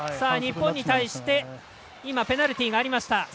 日本に対してペナルティーがありました。